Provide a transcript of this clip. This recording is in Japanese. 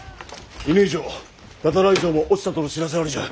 犬居城只来城も落ちたとの知らせありじゃ。